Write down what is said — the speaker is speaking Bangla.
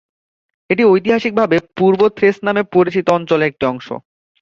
এটি ঐতিহাসিকভাবে পূর্ব থ্রেস নামে পরিচিত অঞ্চলের একটি অংশ।